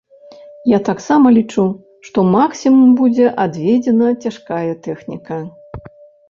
Я таксама лічу, што максімум будзе адведзеная цяжкая тэхніка.